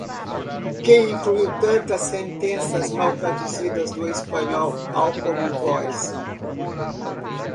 Quem incluiu tantas sentenças mal traduzidas do espanhol ao Common Voice?